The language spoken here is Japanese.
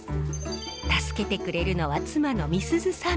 助けてくれるのは妻の美鈴さん。